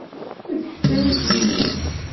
D kečč ara iyi-d-yinin.